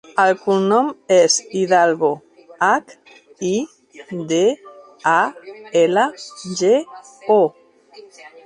El cognom és Hidalgo: hac, i, de, a, ela, ge, o.